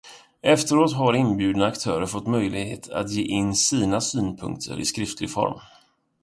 Efteråt har inbjudna aktörer fått möjlighet att ge in sina synpunkter i skriftlig form.